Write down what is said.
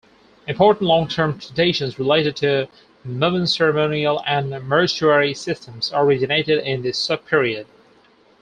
Important long-term traditions related to Mumun ceremonial and mortuary systems originated in this sub-period.